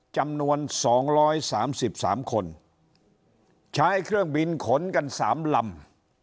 จำนวน๒๓๓คนใช้เครื่องบินขนกัน๓ลำ